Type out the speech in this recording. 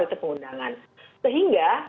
itu pengundangan sehingga